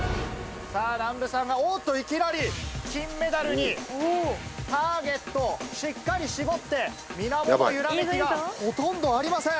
さぁ南部さんがおっといきなり金メダルにターゲットをしっかり絞って水面の揺らめきがほとんどありません。